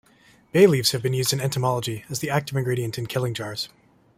Bay leaves have been used in entomology as the active ingredient in killing jars.